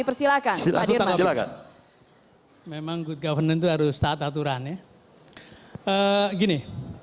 persilahkan silakan memang good government harus saat aturan ya gini